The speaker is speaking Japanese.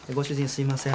すいません。